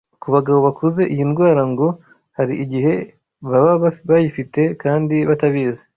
Ku bagabo bakuze iyi ndwara ngo hari igihe baba bayifite kandi batabizi